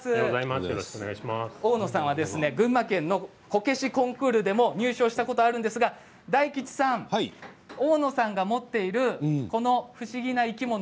大野さんは群馬県のこけしコンクールでも入賞したことがあるんですが大吉さん、大野さんが持っているこの不思議な生き物